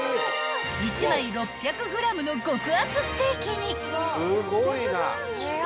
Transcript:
［１枚６００ｇの極厚ステーキに］